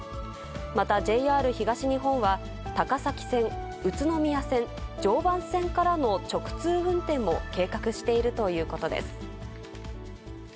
またＪＲ東日本は、高崎線、宇都宮線、常磐線からの直通運転も計画しているということです。